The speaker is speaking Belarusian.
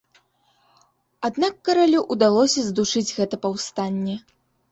Аднак каралю ўдалося здушыць гэта паўстанне.